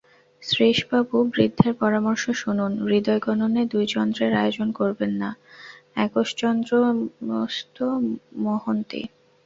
শ্রীশবাবু, বৃদ্ধের পরামর্শ শুনুন, হৃদয়গগনে দুই চন্দ্রের আয়োজন করবেন না– একশ্চন্দ্রস্তমোহন্তি।